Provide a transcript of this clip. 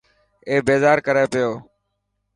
اي بيزار ڪري پيو.